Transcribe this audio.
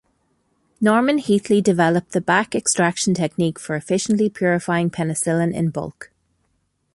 Norman Heatley developed the back extraction technique for efficiently purifying penicillin in bulk.